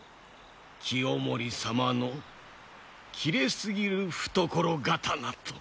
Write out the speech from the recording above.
清盛様の切れ過ぎる懐刀と。